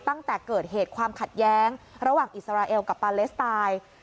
ตั้งแต่เกิดเหตุความขัดแย้งระหว่างอิสราเอลกับปาเลสไตน์